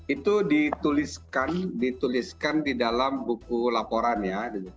itu dituliskan di dalam buku laporan ya